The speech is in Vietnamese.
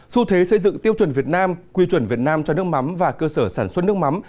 xu thế xây dựng tiêu chuẩn việt nam quy chuẩn việt nam cho nước mắm và cơ sở sản xuất nước mắm